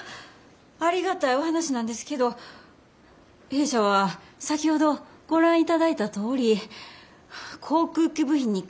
ありがたいお話なんですけど弊社は先ほどご覧いただいたとおり航空機部品に関して経験がありません。